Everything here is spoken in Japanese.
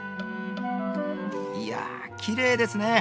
いやきれいですね。